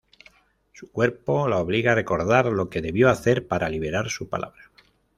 Su cuerpo la obliga a recordar lo que debió hacer para liberar su palabra.